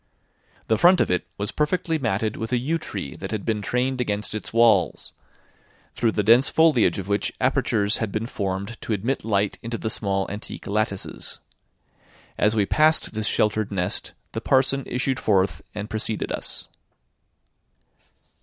The front of it was perfectly matted with a yew tree that had been trained against its walls, through the dense foliage of which apertures had been formed to admit light into the small antique lattices. As we passed this sheltered nest, the parson issued forth and preceded us.